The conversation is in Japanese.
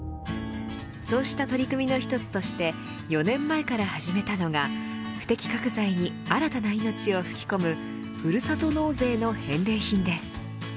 そうした取り組みの一つとして４年前から始めたのが不適格材に新たな命を吹き込むふるさと納税の返礼品です。